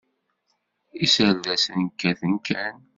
Iserdasen kkaten kan.